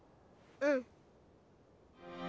うん。